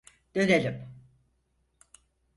Dönelim.